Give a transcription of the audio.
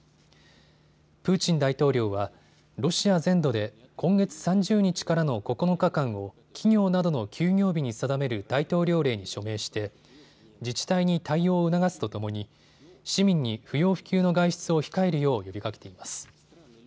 プーチン大統領はロシア全土で今月３０日からの９日間を企業などの休業日に定める大統領令に署名して自治体に対応を促すとともに市民に不要不急の外出を控えるよう呼びかけています。